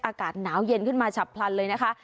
อากาศหนาวเย็นขึ้นมาฉับพลันเลยนะคะ